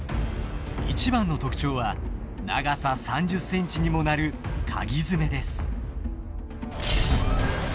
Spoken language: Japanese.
一番の特徴は長さ３０センチにもなるかぎ爪です。